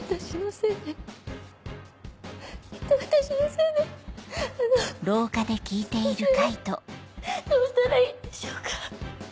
先生どうしたらいいんでしょうか。